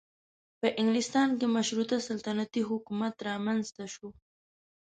په انګلستان کې مشروطه سلطنتي حکومت رامنځته شو.